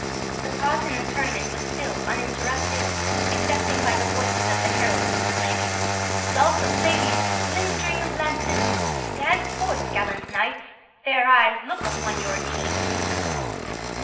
The pause in the tournament was still uninterrupted, excepting by the voices of the heralds exclaiming—"Love of ladies, splintering of lances! stand forth gallant knights, fair eyes look upon your deeds!"